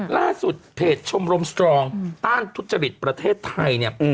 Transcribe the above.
ล่าสุดเพจชมรมสตรองต้านทุจริตประเทศไทยเนี่ย